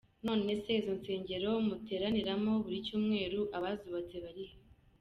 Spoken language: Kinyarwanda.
None se izo nsengero muteraniramo buri cyumweru abazubatse bari he?